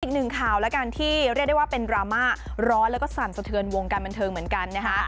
อีกหนึ่งข่าวแล้วกันที่เรียกได้ว่าเป็นดราม่าร้อนแล้วก็สั่นสะเทือนวงการบันเทิงเหมือนกันนะคะ